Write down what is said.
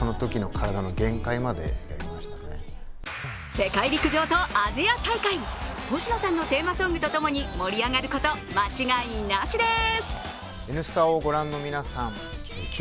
世界陸上とアジア大会、星野さんのテーマソングとともに盛り上がること間違いなしです。